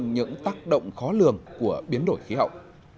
những tác động khó lường của biến đổi khí hậu